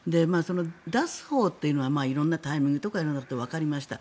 出すほうというのは色んなタイミングとかがあるのがわかりました。